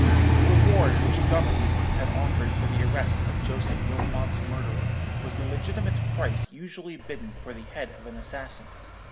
"The reward which Government had offered for the arrest of Joseph Wilmot's murderer was the legitimate price usually bidden for the head of an assassin.